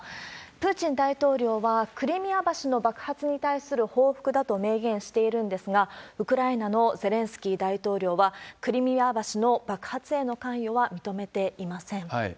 プーチン大統領は、クリミア橋の爆発に対する報復だと明言しているんですが、ウクライナのゼレンスキー大統領は、クリミア橋の爆発への関与は認めていません。